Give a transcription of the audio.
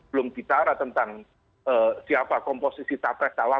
belum ditara tentang siapa komposisi tapas